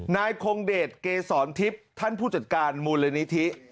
นายคงเดชเกษรทิพย์ท่านผู้จัดการมูลนิธิ